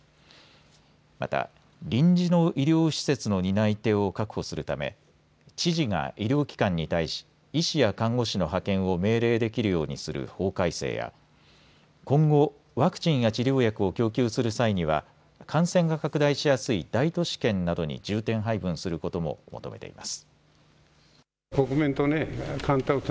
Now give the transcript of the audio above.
また、臨時の医療施設の担い手を確保するため知事が医療機関に対し医師や看護師の派遣を命令できるようにする法改正や今後、ワクチンや治療薬を供給する際には感染が拡大しやすい大都市圏などに重点配分することも求めています。